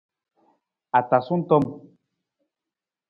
Atasung tom.